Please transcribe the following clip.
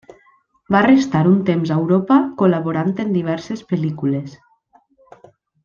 Va restar un temps a Europa col·laborant en diverses pel·lícules.